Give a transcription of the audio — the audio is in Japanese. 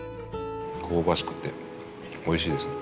香ばしくておいしいですね。